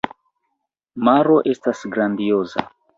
Maro estas grandioza.